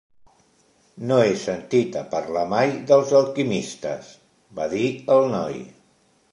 "No he sentit a parlar mai dels alquimistes", va dir el noi.